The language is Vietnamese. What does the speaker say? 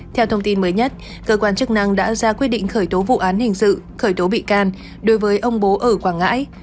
theo thông tin mới nhất cơ quan chức năng đã ra quyết định khởi tố vụ án hình sự khởi tố bị can đối với ông bố ở quảng ngãi